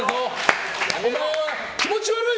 気持ち悪い！